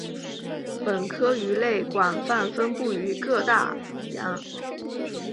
本科鱼类广泛分布于各大洋。